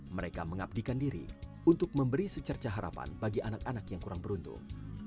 mereka mengabdikan diri untuk memberi secerca harapan bagi anak anak yang kurang beruntung